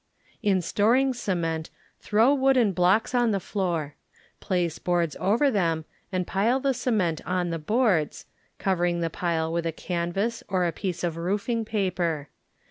In storing cement, throw wooden blocks on the floor. Place boards over them and pile the cement on the boards, covering the pile with a canvas or a piece of roofing paper.